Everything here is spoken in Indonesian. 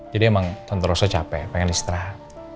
jadi emang tante rosa capek pengen istirahat